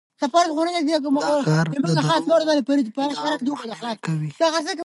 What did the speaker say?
دا کار د دروغو ادعاوو مخنیوی کوي.